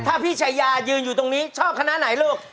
ถ้าพี่ชายายืนอยู่ตรงนี้ชอบคณะไหนลูก